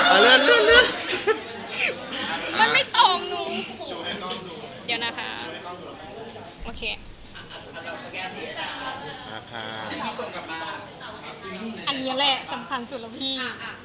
อันนี้แหละสำคัญสุดแล้วพี่